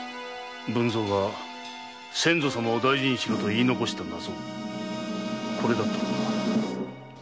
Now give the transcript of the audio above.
文造が「先祖様を大事にしろ」と言ったナゾがこれだったのだ。